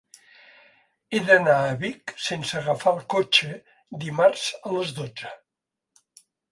He d'anar a Vic sense agafar el cotxe dimarts a les dotze.